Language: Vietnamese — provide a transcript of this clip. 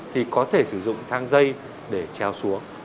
thì có thể sử dụng thang dây để treo xuống